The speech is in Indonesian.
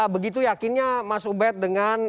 begitu yakinnya mas ubed dengan